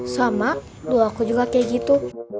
sama dulu aku juga kayak gitu